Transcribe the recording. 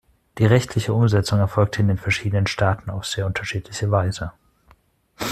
Die rechtliche Umsetzung erfolgte in den verschiedenen Staaten auf sehr unterschiedliche Weise.